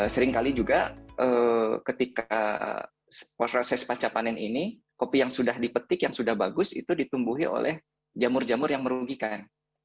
seringkali juga ketika proses pasca panen ini kopi yang sudah dipetik yang sudah bagus itu ditumbuhi oleh jamur jamur yang merugikan